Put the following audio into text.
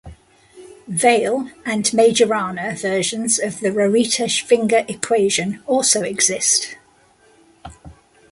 "Weyl" and "Majorana" versions of the Rarita-Schwinger equation also exist.